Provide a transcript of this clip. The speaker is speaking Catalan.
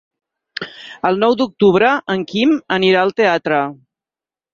El nou d'octubre en Quim anirà al teatre.